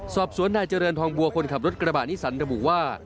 สอบสวนนายเจริญทองบัวคนขับรถกระบะนิสันระบุว่า